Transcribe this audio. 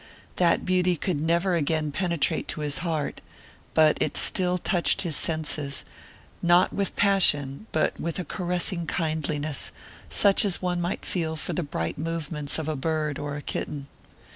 That beauty could never again penetrate to his heart, but it still touched his senses, not with passion but with a caressing kindliness, such as one might feel for the bright movements of a bird or a kitten.